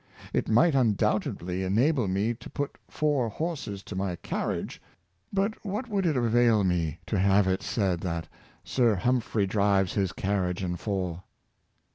It might undoubtedly enable me to put four horses to my carriage; but what would it avail me to have it said that Sir Humphry drives his carriage and four?